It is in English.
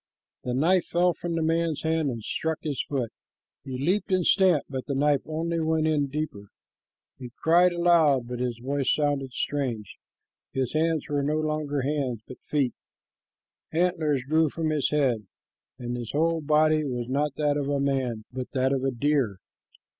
The knife fell from the man's hand and struck his foot. He leaped and stamped, but the knife only went in deeper. He cried aloud, but his voice sounded strange. His hands were no longer hands, but feet. Antlers grew from his head, and his whole body was not that of a man, but that of a deer.